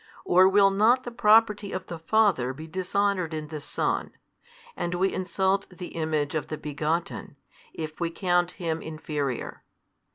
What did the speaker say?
Or will not the Property of the Father be dishonoured in the Son, and we insult the Image of the Begotten, if we count Him inferior?